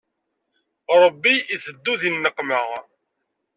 Ṛebbi iteddu di nneqma.